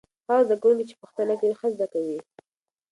هغه زده کوونکي چې پوښتنه کوي ښه زده کوي.